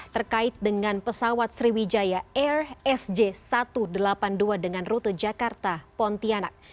terkait dengan pesawat sriwijaya air sj satu ratus delapan puluh dua dengan rute jakarta pontianak